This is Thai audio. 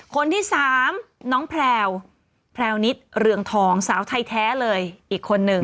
คนที่สามน้องแพลวแพลวนิดเรืองทองสาวไทยแท้เลยอีกคนนึง